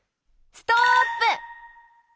ストップ！